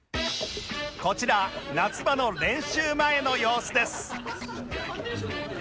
こちら夏場の練習前の様子です